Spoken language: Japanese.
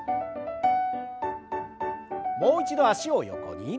もう一度脚を横に。